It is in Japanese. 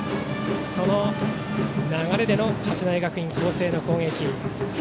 その流れでの八戸学院光星の攻撃。